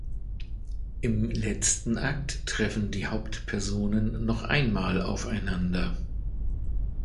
Im letzten Akt treffen die Hauptpersonen noch einmal aufeinander.